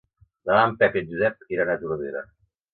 Demà en Pep i en Josep iran a Tordera.